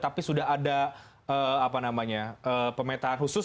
tapi sudah ada pemetaan khusus